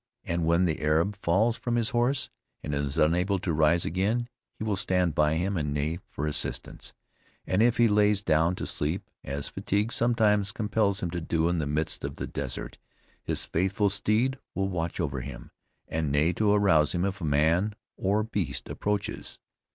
And when the Arab falls from his horse, and is unable to rise again, he will stand by him and neigh for assistance; and if he lays down to sleep, as fatigue sometimes compels him to do in the midst of the desert, his faithful steed will watch over him, and neigh to arouse him if man or beast approaches.